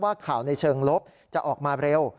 ข่าวในเชิงลบจะออกมาเร็ว